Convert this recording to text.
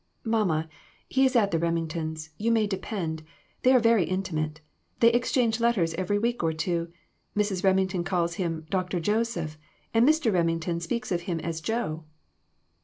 "Mamma, he is at the Remingtons, you may depend. They are very intimate. They exchange letters every week or two. Mrs. Remington calls him 'Dr. Joseph,' and Mr. Remington speaks of him as 'Joe'."